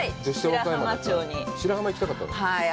白浜に行きたかった？